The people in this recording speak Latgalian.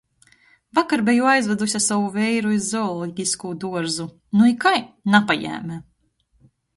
Vakar beju aizvaduse sovu veiru iz zoologiskū duorzu... Nu i kai? Napajēme!...